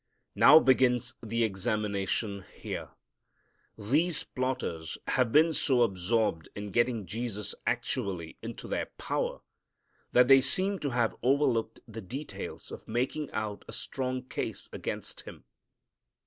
Now begins the examination here. These plotters have been so absorbed in getting Jesus actually into their power that they seem to have over looked the details of making out a strong case against Him.